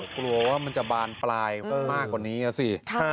กลัวว่ามันจะบานปลายมากกว่านี้นะสิ